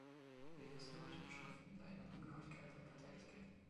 Ihre historischen Schriften leiden an Ungenauigkeit und Parteilichkeit.